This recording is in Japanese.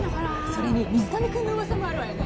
それに水上君の噂もあるわよね